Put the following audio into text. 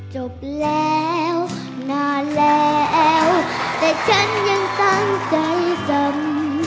จบแล้วนานแล้วแต่ฉันยังตั้งใจสน